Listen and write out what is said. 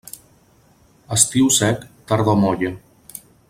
Estiu sec, tardor molla.